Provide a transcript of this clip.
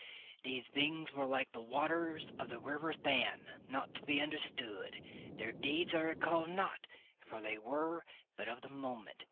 These beings were like the waters of the river Than, not to be understood. Their deeds I recall not, for they were but of the moment.